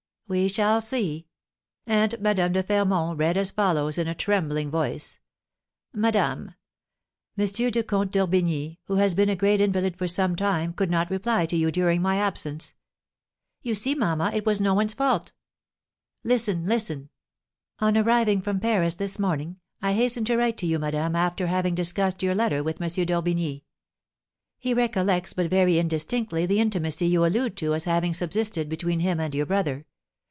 "We shall see." And Madame de Fermont read as follows in a trembling voice: "'MADAME: M. the Comte d'Orbigny, who has been a great invalid for some time, could not reply to you during my absence '" "You see, mamma, it was no one's fault." "Listen, listen! "'On arriving from Paris this morning, I hasten to write to you, madame, after having discussed your letter with M. d'Orbigny. He recollects but very indistinctly the intimacy you allude to as having subsisted between him and your brother.